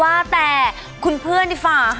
แอร์โหลดแล้วคุณล่ะโหลดแล้ว